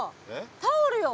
タオルよ。